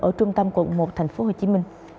ở trung tâm quận một tp hcm